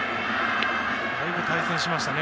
だいぶ対戦しましたね